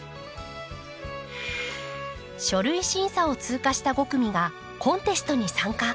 書類審査を通過した５組がコンテストに参加。